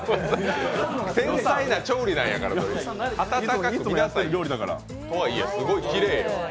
繊細な調理なんやから温かく見なさい。とはいえ、すごいきれいよ。